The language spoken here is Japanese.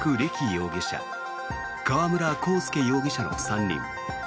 容疑者川村浩介容疑者の３人。